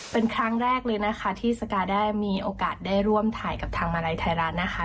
เป็นครั้งแรกเลยนะคะที่สกาได้มีโอกาสได้ร่วมถ่ายกับทางมาลัยไทยรัฐนะคะ